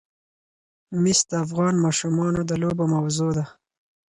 مس د افغان ماشومانو د لوبو موضوع ده.